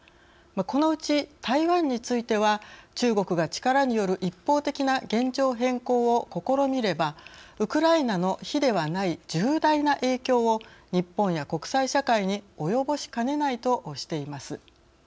このうち台湾については中国が力による一方的な現状変更を試みればウクライナの比ではない重大な影響を日本や国際社会に及ぼしかねないとしています。